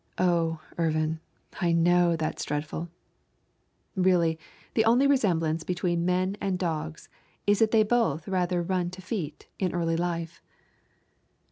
(Oh, Irvin, I know that's dreadful!) Really, the only resemblance between men and dogs is that they both rather run to feet in early life.